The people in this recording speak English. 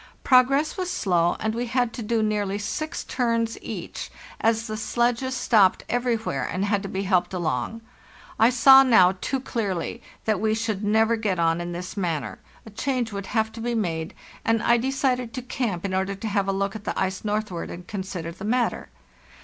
Progress was slow, and we had to do nearly six turns each, as the sledges stopped everywhere and had to be helped along. I saw now too clearly that we should never get on in this manner; a change would have to be made, and I decided to camp in order to have a look at the ice northward and consider the matter.